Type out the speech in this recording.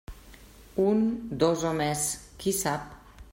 Un, dos o més, qui sap?